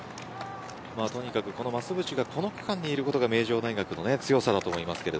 とにかく増渕がこの区間にいることが名城大学の強さだと思います。